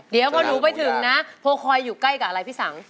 เดี๋ยวพอหนูไปถึงนะโพคอยอยู่ใกล้กับอะไรพี่สัง